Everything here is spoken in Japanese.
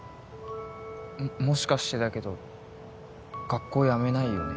ももしかしてだけど学校やめないよね？